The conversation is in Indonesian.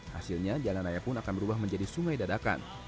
hasilnya jalan raya pun akan berubah menjadi sungai dadakan